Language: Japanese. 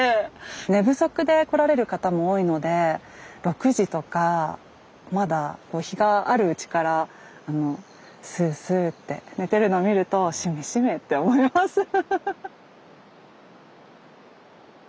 寝不足で来られる方も多いので６時とかまだ日があるうちからスースーって寝てるの見るとしめしめって思いますフフフフ。